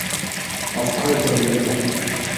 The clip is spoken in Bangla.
অক্ষয় কহিল, পারি।